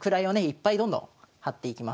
いっぱいどんどん張っていきます。